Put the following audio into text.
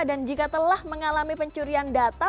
dan jika telah mengalami pencurian data